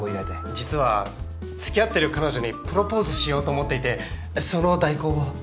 実は付き合ってる彼女にプロポーズしようと思っていてその代行を。